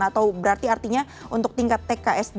atau berarti artinya untuk tingkat tksd